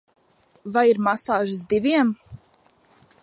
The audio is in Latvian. Vai ir masāžas diviem?